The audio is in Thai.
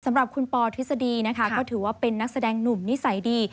สำหรับคุณปอทฤษฎีนะคะก็ถือว่าเป็นนักแสดงหนุ่มนิสัยดี